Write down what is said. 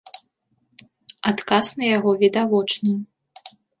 Адказ на яго відавочны.